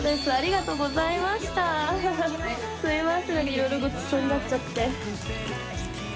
いろいろごちそうになっちゃって。